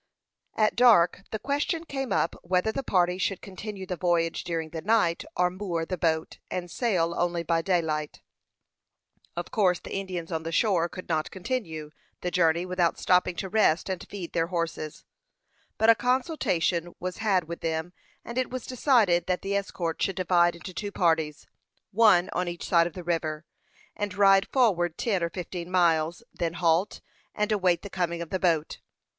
At dark the question came up whether the party should continue the voyage during the night, or moor the boat, and sail only by daylight. Of course the Indians on the shore could not continue the journey without stopping to rest and feed their horses; but a consultation was had with them, and it was decided that the escort should divide into two parties, one on each side of the river, and ride forward ten or fifteen miles, then halt and await the coming of the boat.